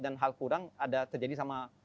dan hal kurang ada terjadi sama